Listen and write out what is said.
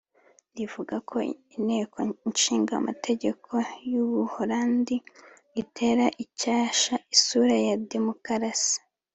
rivuga ko Inteko Ishinga Amategeko y’u Buholandi itera icyasha isura ya demokarasi